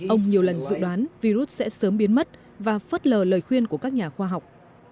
ông nhiều lần dự đoán virus sẽ sớm biến mất và phớt lờ lời khuyên của các nhà khoa học